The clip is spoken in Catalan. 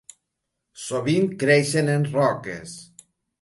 Sovint creixen en roques.